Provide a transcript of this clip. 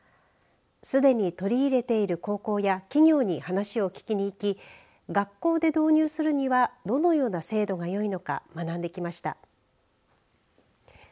すでに取り入れている高校や企業に話を聞きに行き学校で導入するにはどのような制度がよいのか学んできました。